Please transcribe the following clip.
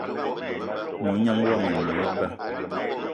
Mognan yomo a ne eba